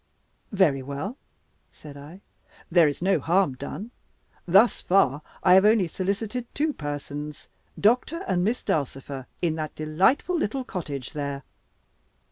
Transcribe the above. "Very well," said I, "there is no harm done. Thus far, I have only solicited two persons, Doctor and Miss Dulcifer, in that delightful little cottage there."